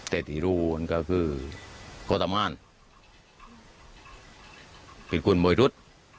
แต่ที่รู้ก็คือก็ทำงานเป็นคุณโมยรุษ